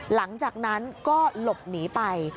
หลังจากนั้นก็หลบหนีไป